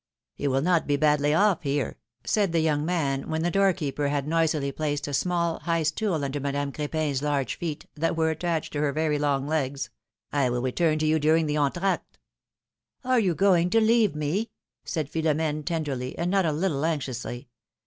''You will not be badly off here,^^ said the young man, when the door keeper had noisily placed a small, high stool under Madame Cr^pin's large feet, that were attached to her very long legs; " I will return to you during the entr'acteJ^ "Are you going to leave me?^^ said Philom^ne, tenderly, and not a little anxiously.